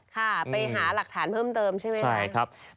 ค่ะไปหาหลักฐานเพิ่มเติมที่ยาดิ์